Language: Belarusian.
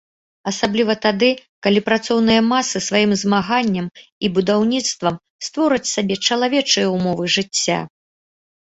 Асабліва тады, калі працоўныя масы сваім змаганнем і будаўніцтвам створаць сабе чалавечыя ўмовы жыцця.